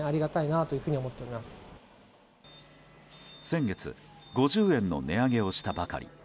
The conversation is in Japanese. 先月５０円の値上げをしたばかり。